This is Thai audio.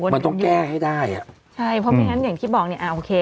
มันต้องแก้ให้ได้อ่ะใช่เพราะไม่งั้นอย่างที่บอกเนี่ยอ่าโอเค